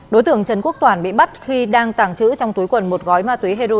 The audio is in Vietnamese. đối tượng trần quốc toàn bị bắt khi đang tàng trữ trong túi quần một gói ma túy heroin